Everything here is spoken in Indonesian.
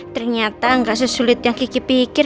ternyata gak sesulit yang geki pikir